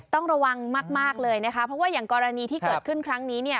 ต้องระวังมากเลยนะคะเพราะว่าอย่างกรณีที่เกิดขึ้นครั้งนี้เนี่ย